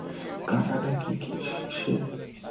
কানা না-কি সে?